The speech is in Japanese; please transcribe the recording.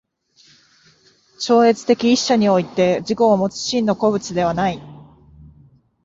超越的一者において自己をもつ真の個物ではない。